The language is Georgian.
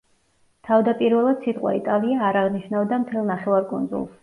თავდაპირველად სიტყვა იტალია არ აღნიშნავდა მთელ ნახევარკუნძულს.